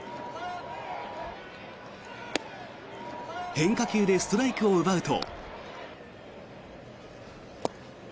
変化球でストライクを奪うと。